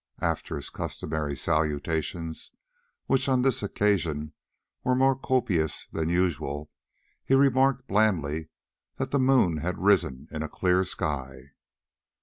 After his customary salutations, which on this occasion were more copious than usual, he remarked blandly that the moon had risen in a clear sky.